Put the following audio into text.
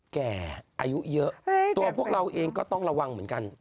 แก่อายุเยอะตัวพวกเราเองก็ต้องระวังเหมือนกัน